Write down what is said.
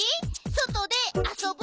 そとであそぶ？